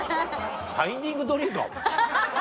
『ファインディング・ドリー』か！